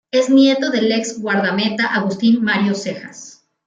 Es nieto del ex guardameta Agustín Mario Cejas.